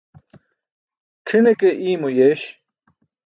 C̣ʰine ke iymo yeeś.